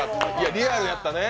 リアルやったね。